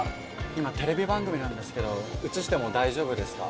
今テレビ番組なんですけど映しても大丈夫ですか？